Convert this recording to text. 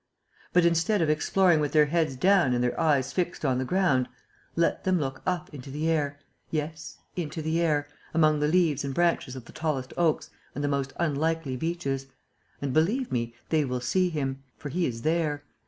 But, instead of exploring with their heads down and their eyes fixed on the ground, let them look up into the air, yes, into the air, among the leaves and branches of the tallest oaks and the most unlikely beeches. And, believe me, they will see him. For he is there.